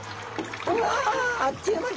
あっという間に。